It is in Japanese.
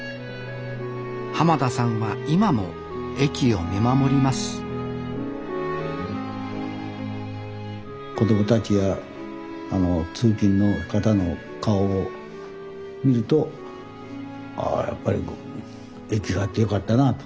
田さんは今も駅を見守ります子供たちや通勤の方の顔を見るとあやっぱり駅があってよかったなあと。